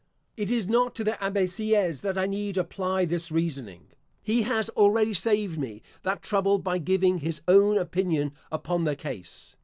It is not to the Abbe Sieyes that I need apply this reasoning; he has already saved me that trouble by giving his own opinion upon the case.